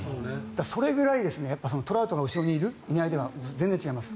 それぐらいトラウトの後ろにいるいないでは全然違います。